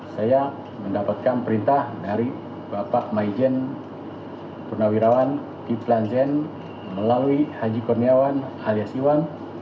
saya mendapatkan perintah dari bapak majen purnawirawan ki planzen melalui haji kurniawan alias iwan